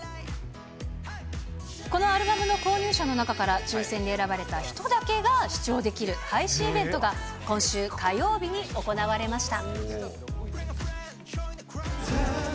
このアルバムの購入者の中から、抽せんで選ばれた人だけが視聴できる配信イベントが今週火曜日に行われました。